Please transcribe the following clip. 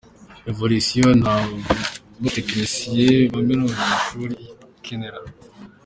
Revolisiyo nta batekenisiye baminuje amashuri ikenera.